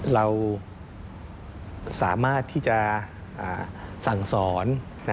เราสามารถที่จะสั่งสอน